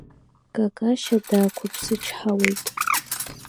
Какашьа даақәыԥсычҳауеит.